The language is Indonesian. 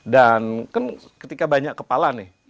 dan kan ketika banyak kepala nih